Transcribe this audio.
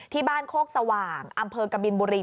ที่บ้านโคกสว่างอำเภอกบินบุรี